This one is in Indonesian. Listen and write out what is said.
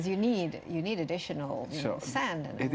karena anda butuh uang tambahan